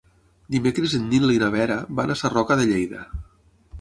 Dimecres en Nil i na Vera van a Sarroca de Lleida.